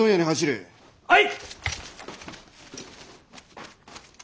はい！